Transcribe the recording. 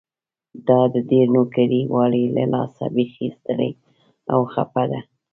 دا د ډېرې نوکري والۍ له لاسه بيخي ستړې او خپه ده.